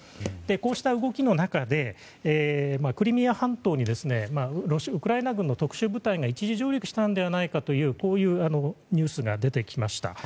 こうした動きの中でクリミア半島にウクライナ軍の特殊部隊が一時上陸したのではないかというニュースが出てきました。